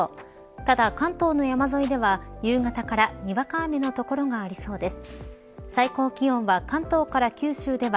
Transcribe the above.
ただ関東の山沿いでは夕方からにわか雨の所がありそうです。